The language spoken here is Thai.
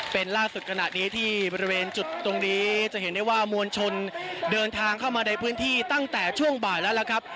เป็นล่าสุดขณะนี้ที่บริเวณจุดตรงนี้จะเห็นได้ว่ามวลชนเดินทางเข้ามาในพื้นที่ตั้งแต่ช่วงบ่ายแล้วล่ะครับ